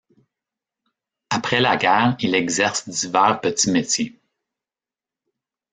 Après la guerre, il exerce divers petits métiers.